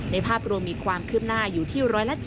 ภาพรวมมีความคืบหน้าอยู่ที่๑๗๐